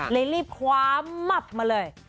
เลยรีบคว้ามับมาเลย